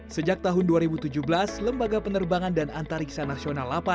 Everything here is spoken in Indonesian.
sejak tahun dua ribu tujuh belas lembaga penerbangan dan antariksa nasional delapan